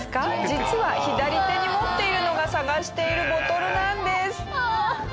実は左手に持っているのが探しているボトルなんです。